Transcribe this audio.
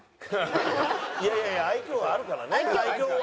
いやいやいや愛嬌はあるからね。